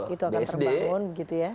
itu akan terbangun gitu ya